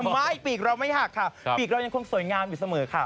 ไม่ปีกเราไม่หักค่ะปีกเรายังคงสวยงามอยู่เสมอค่ะ